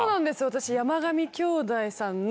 私山上兄弟さんの。